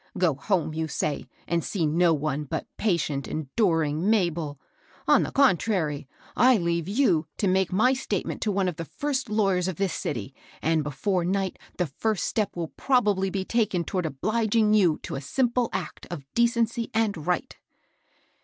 Go home, you say, and see no one but patient, enduring Mabel! On the contrary, I leave you to make my statement to one of the first lawyers of this city; and before night the first step wiU prob ably be taken toward obliging you to a sim ple act of decency and right."